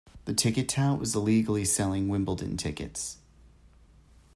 The ticket tout was illegally selling Wimbledon tickets